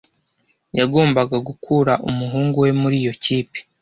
Yagombaga gukura umuhungu we muri iyo kipe.